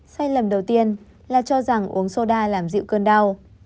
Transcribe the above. sai lầm đầu tiên là cho rằng uống soda làm dịu cơn đau